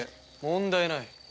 問題ない。